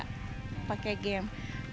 kemudian dia menggunakan penyelidikan